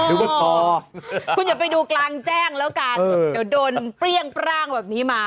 คุณอย่าไปดูกลางแจ้งแล้วกันเดี๋ยวโดนเปรี้ยงปร่างแบบนี้มา